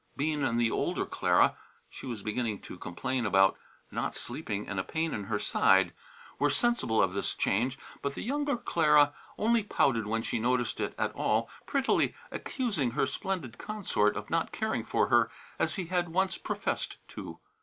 Bean and the older Clara (she was beginning to complain about not sleeping and a pain in her side) were sensible of this change, but the younger Clara only pouted when she noticed it at all, prettily accusing her splendid consort of not caring for her as he had once professed to.